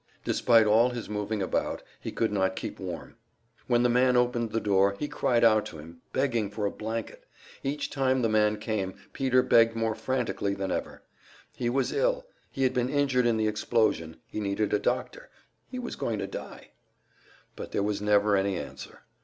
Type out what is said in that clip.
Despite all his moving about, he could not keep warm. When the man opened the door, he cried out to him, begging for a blanket; each time the man came, Peter begged more frantically than ever. He was ill, he had been injured in the explosion, he needed a doctor, he was going to die! But there was never any answer.